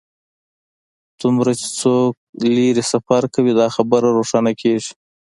څومره چې څوک لرې سفر کوي دا خبره روښانه کیږي